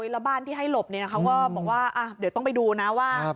แล้วบ้านที่ให้หลบเขาก็บอกว่าเดี๋ยวต้องไปดูนะว่า